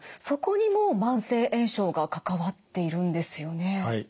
そこにも慢性炎症が関わっているんですよね？